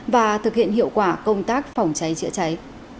và thực hiện hiệu quả công tác phòng cháy chữa cháy